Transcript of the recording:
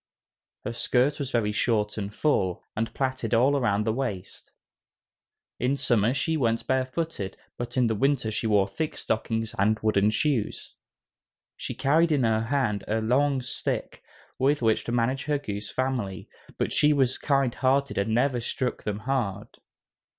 Her skirt was very short and full, and plaited all around the waist. In summer she went barefooted, but in winter she wore thick stockings and wooden shoes. She carried in her hand a long stick, with which to manage her goose family, but she was kind hearted and never struck them hard.